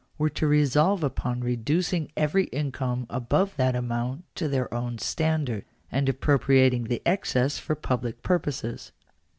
were to resolve upon reducing every income above that amount to their own standard, and appropriating the excess for public purposes.